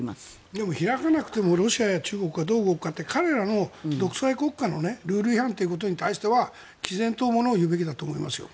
でも、開かなくてもロシアや中国がどう動くかって彼らの独裁国家のルール違反ということに対してはきぜんとものをいうべきだと思いますよ。